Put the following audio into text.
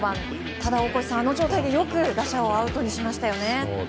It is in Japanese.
ただ、大越さん、あの状態でよく打者をアウトにしましたね。